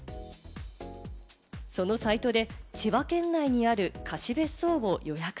そのサイトで千葉県内にある貸別荘を予約。